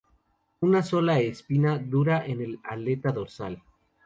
Una sola espina dura en la aleta dorsal.